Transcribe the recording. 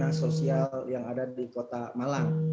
dinas sosial yang ada di kota malang